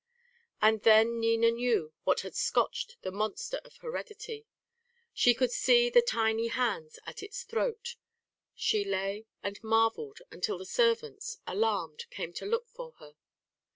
And then Nina knew what had scotched the monster of heredity; she could see the tiny hands at its throat. She lay and marvelled until the servants, alarmed, came to look for her.